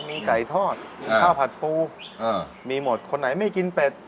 มีไก่ทอดมีข้าวผัดปูมีหมดคนไหนไม่กินเป็ด